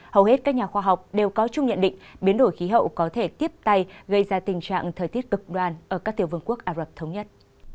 hầu hết các nhà khoa học đều có chung nhận định biến đổi khí hậu có thể tiếp tay gây ra tình trạng thời tiết cực đoan ở các tiểu vương quốc ả rập thống nhất